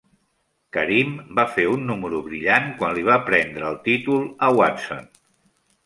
Karim va fer un número brillant quan li va prendre el títol a Watson.